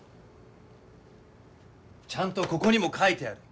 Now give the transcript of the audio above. ちゃんとここにも書いてある。